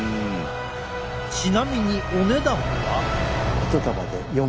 ちなみにお値段は。